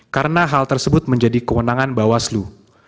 karena hal tersebut menjadi kewenangan bawah selu